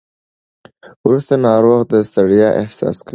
وروسته ناروغ د ستړیا احساس کوي.